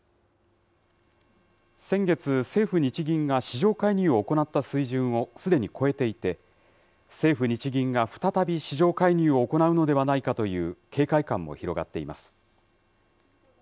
先月、政府・日銀が市場介入を行った水準をすでに超えていて、政府・日銀が再び市場介入を行うのではないかという警戒感も広がっています。